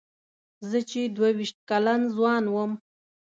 زه چې دوه وېشت کلن ځوان وم.